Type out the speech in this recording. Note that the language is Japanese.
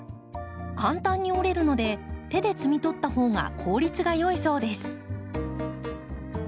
簡単に折れるので手で摘み取ったほうが効率が良いそうです。